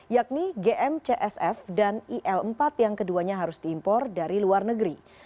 yakni gm csf dan il empat yang keduanya harus diimpor dari luar negeri